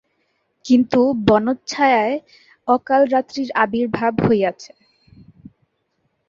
কিন্তু বনচ্ছায়ায় অকালরাত্রির আবির্ভাব হইয়াছে।